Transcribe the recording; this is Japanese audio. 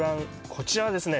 こちらはですね